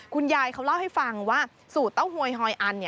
คุณยายเขาเล่าให้ฟังว่าสูตรเต้าหวยฮอยอัน